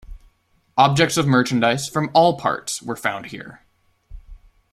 Objects of merchandise from all parts were found here.